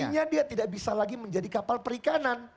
artinya dia tidak bisa lagi menjadi kapal perikanan